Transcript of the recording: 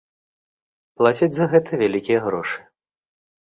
Плацяць за гэта вялікія грошы.